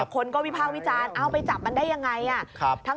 คนก็วิภาควิจารณ์ไปจับมันได้อย่างไร